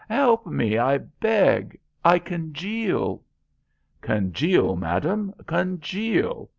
"Help me, I beg. I congeal!" "Congeal, madam, congeal!"